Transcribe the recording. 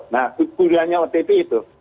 nah keguguran otp itu